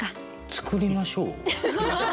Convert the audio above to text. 作りましょう？